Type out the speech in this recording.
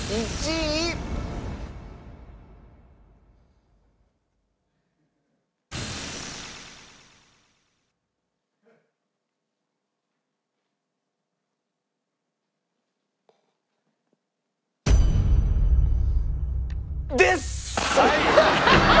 １位です！